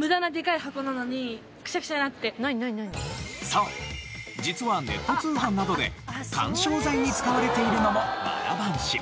そう実はネット通販などで緩衝材に使われているのもわら半紙。